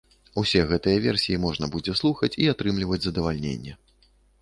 Усе гэтыя версіі можна будзе слухаць і атрымліваць задавальненне.